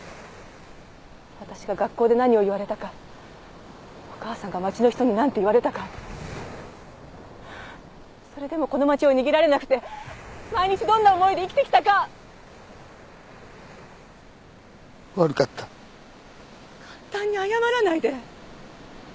私が学校で何を言われたかお母さんが町の人に何て言われたかそれでもこの町を逃げられなくて毎日どんな思いで生きてきたか悪かった簡単に謝らないで！